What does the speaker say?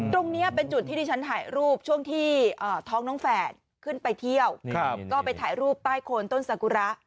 ตรงนี้เป็นจุดที่ดิฉันถ่ายรูปช่วงที่ท้องน้องแฝดขึ้นไปเที่ยวก็ไปถ่ายรูปใต้โคนต้นสากุระ